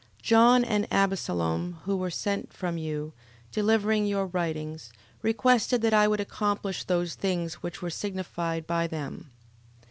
11:17. John, and Abesalom, who were sent from you, delivering your writings, requested that I would accomplish those things which were signified by them.